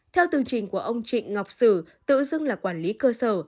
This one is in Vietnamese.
theo tương trình của ông trịnh ngọc sử tự dưng là quản lý cơ sở